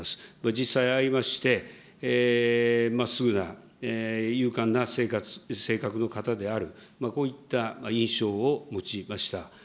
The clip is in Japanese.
実際会いまして、まっすぐな、勇敢な性格の方である、こういった印象を持ちました。